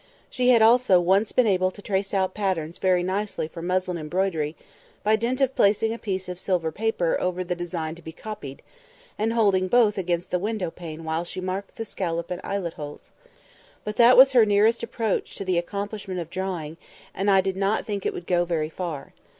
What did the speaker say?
She had also once been able to trace out patterns very nicely for muslin embroidery, by dint of placing a piece of silver paper over the design to be copied, and holding both against the window pane while she marked the scollop and eyelet holes. But that was her nearest approach to the accomplishment of drawing, and I did not think it would go very far.